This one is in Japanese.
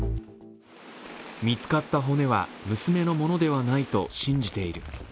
見つかった骨は娘のものではないと信じている。